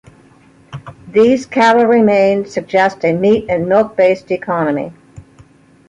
These cattle remains suggest a meat- and milk-based economy.